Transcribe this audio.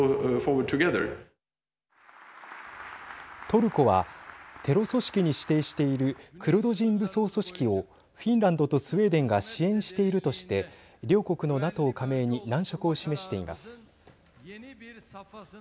トルコはテロ組織に指定しているクルド人武装組織をフィンランドとスウェーデンが支援しているとして両国のＮＡＴＯ加盟に難色を示しています。